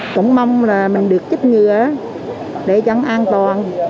cũng mong là mình được chích ngừa để chẳng an toàn